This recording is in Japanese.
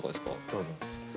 どうぞ。